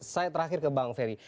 saya terakhir ke bang ferry